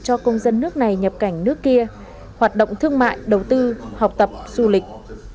cho công dân nước này nhập cảnh nước kia hoạt động thương mại đầu tư học tập du lịch